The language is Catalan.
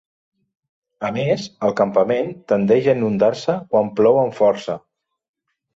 A més, el campament tendeix a inundar-se quan plou amb força.